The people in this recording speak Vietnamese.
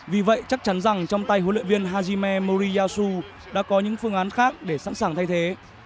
vì vậy chắc chắn rằng trong tay huấn luyện viên hajime moriyasu đã có những phương án khác để sẵn sàng thay thế